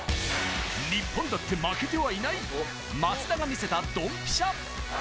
日本だって負けてはいない、松田が見せたドンピシャ。